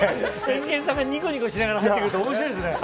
エンケンさんがにこにこしながら入ってくると面白いですね。